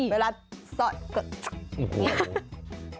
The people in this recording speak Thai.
เวลาซอดก็จะเนี้ย